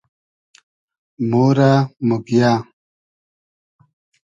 مۉرۂ موگیۂ